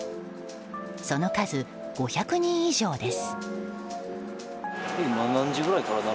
その数、５００人以上です。